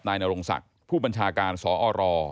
นรงศักดิ์ผู้บัญชาการสอร